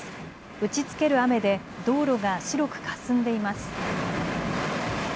打ちつける雨で道路が白くかすんでいます。